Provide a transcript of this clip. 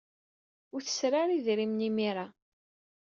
Ur tesri ara idrimen imir-a.